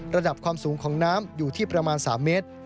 ระดับความสูงของน้ำอยู่ที่ประมาณ๓เมตร